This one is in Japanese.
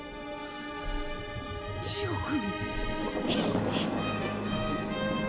ジオ君。